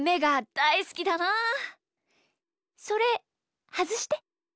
それはずして。